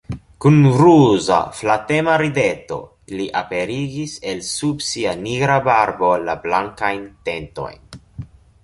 Kun ruza, flatema rideto li aperigis el sub sia nigra barbo la blankajn dentojn.